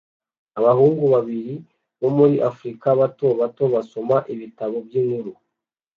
Abahungu babiri bo muri africa bato bato basoma ibitabo byinkuru